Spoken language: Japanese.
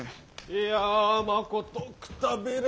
いやまことくたびれ